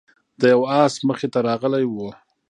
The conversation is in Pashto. د یو آس مخې ته راغلی و،